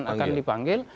iya akan dipanggil